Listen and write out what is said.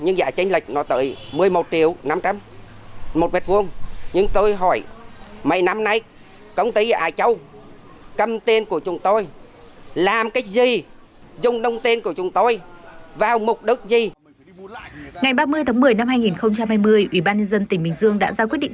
ngày ba mươi tháng một mươi năm hai nghìn hai mươi ủy ban nhân dân tỉnh bình dương đã ra quyết định